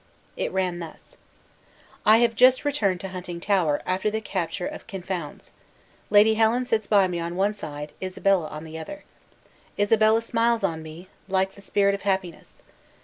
It ran thus: "I have just returned to Huntingtower, after the capture of Kinfouns. Lady Helen sits by me on one side, Isabella on the other. Isabella smiles on me, like the spirit of happiness.